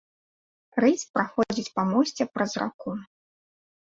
Рысь праходзіць па мосце праз раку.